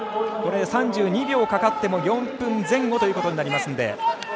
３２秒かかっても４分前後となりますので。